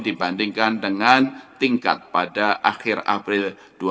dibandingkan dengan tingkat pada akhir april dua ribu dua puluh